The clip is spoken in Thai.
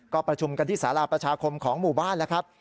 ก็ประชุมกันที่สาราประชาคมของหมู่บ้านแล้วครับ